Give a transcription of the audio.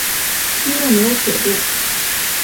町内没有铁路。